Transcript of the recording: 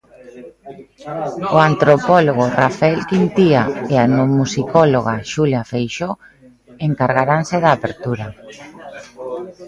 O antropólogo Rafael Quintía e a etnomusicóloga Xulia Feixóo encargaranse da apertura.